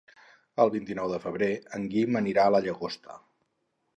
El vint-i-nou de febrer en Guim anirà a la Llagosta.